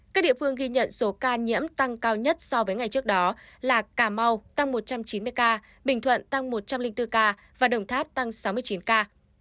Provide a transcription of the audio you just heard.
các địa phương ghi nhận số ca nhiễm tăng cao nhất so với ngày trước đó là cà mau tăng một trăm chín mươi ca bình thuận tăng một trăm linh bốn ca và đồng tháp tăng sáu mươi chín ca